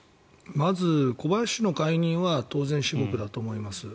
まず小林氏の解任は当然至極だと思います。